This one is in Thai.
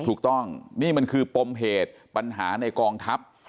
ถูกต้องนี่มันคือปมเหตุปัญหาในกองทัพ